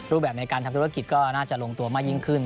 แบบในการทำธุรกิจก็น่าจะลงตัวมากยิ่งขึ้น